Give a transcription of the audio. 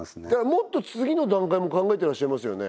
もっと次の段階も考えてらっしゃいますよね？